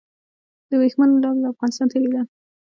د وریښمو لاره له افغانستان تیریده